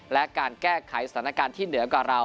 และการแก้ไขสถานการณ์ที่เหนือกว่าเรา